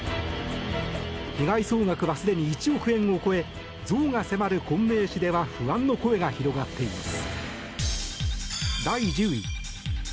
被害総額はすでに１億円を超えゾウが迫る昆明市では不安の声が広がっています。